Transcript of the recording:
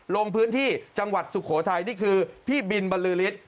ลงพื้นที่จังหวัดสุโขทัยนี่คือพี่บินบรรลือฤทธิ